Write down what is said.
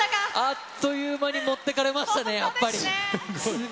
あっという間に持ってかれましたね。